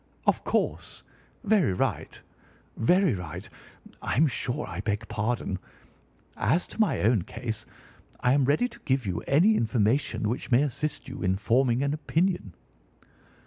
"Of course! Very right! very right! I'm sure I beg pardon. As to my own case, I am ready to give you any information which may assist you in forming an opinion."